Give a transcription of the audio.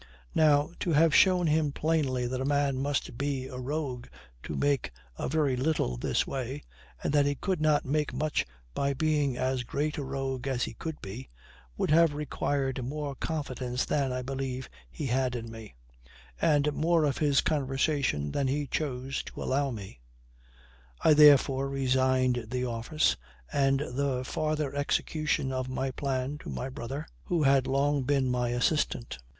Now, to have shown him plainly that a man must be a rogue to make a very little this way, and that he could not make much by being as great a rogue as he could be, would have required more confidence than, I believe, he had in me, and more of his conversation than he chose to allow me; I therefore resigned the office and the farther execution of my plan to my brother, who had long been my assistant.